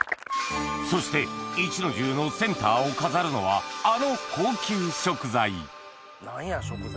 そして壱の重のセンターを飾るのはあの高級食材何や食材。